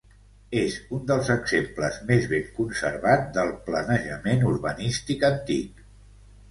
És un dels exemples més ben conservat del planejament urbanístic antic.